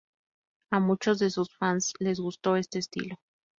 A muchos de sus fans les gustó este estilo.